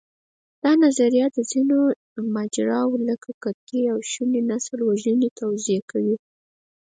دا نظریه د ځینو ماجراوو، لکه کرکې او شونې نسلوژنې توضیح کوي.